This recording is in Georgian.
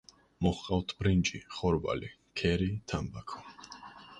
მოჰყავთ ბრინჯი, ხორბალი, ქერი, თამბაქო.